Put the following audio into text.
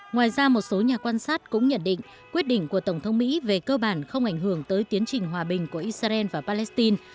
ngoài ra một số nhà quan sát cũng nhận định quyết định của tổng thống mỹ về cơ bản không ảnh hưởng tới tiến trình hòa bình của israel và palestine